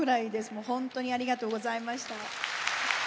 もうほんとにありがとうございました。